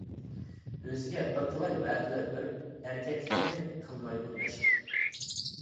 ئۆزىگە بىر تالاي ۋەدىلەر بېرىپ ئەركەكلىكنى قىلمايدۇ مەشىق.